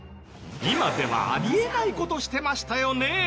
今ではあり得ない事してましたよね。